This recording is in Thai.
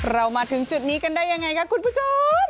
มาถึงจุดนี้กันได้ยังไงคะคุณผู้ชม